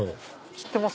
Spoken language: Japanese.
知ってます？